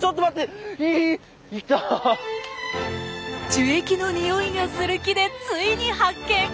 樹液の匂いがする木でついに発見！